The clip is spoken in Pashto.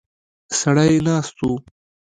سړی ناست و.